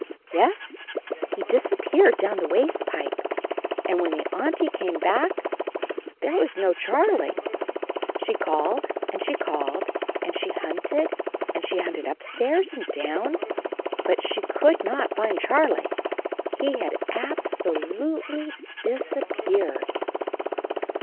Yes, he disappeared down the waste pipe. And when the Auntie came back there was no Charlie. She called and she called, and she hunted and she hunted upstairs and down, but she could not find Charlie. He had ab so lute ly disappeared.